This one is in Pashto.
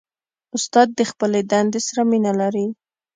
استاد د خپلې دندې سره مینه لري.